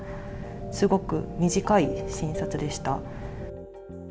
すごく短い診察でした。